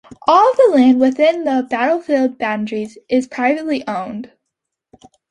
All of the land within the battlefield boundary is privately owned.